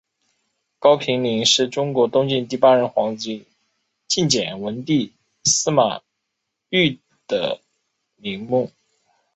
高平陵是中国东晋第八任皇帝晋简文帝司马昱的陵墓。